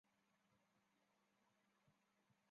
菲腊斯娶茱莉。